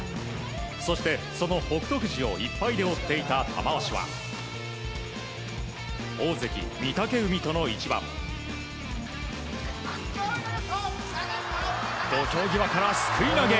そして、その北勝富士を１敗で追っていた玉鷲は大関・御嶽海との一番。土俵際から、すくい投げ。